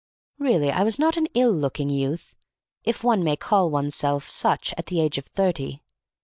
Really I was not an ill looking youth, if one may call one's self such at the age of thirty.